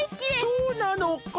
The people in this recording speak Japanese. そうなのか。